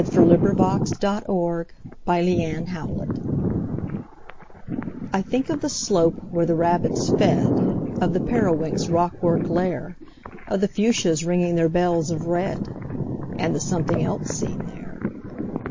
THE BACKGROUND AND THE FIGURE (Lover's Ditty) I think of the slope where the rabbits fed, Of the periwinks' rockwork lair, Of the fuchsias ringing their bells of red— And the something else seen there.